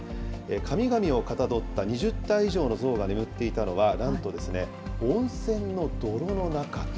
神々をかたどった２０体以上の像が眠っていたのは、なんとですね、温泉の泥の中。